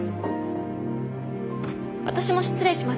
私も失礼します。